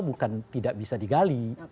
bukan tidak bisa digali